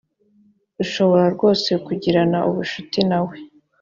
ushobora rwose kugirana ubucuti nawe